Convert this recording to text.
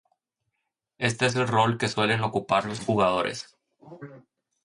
Este es el rol que suelen ocupar los jugadores.